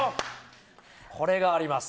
これがあります。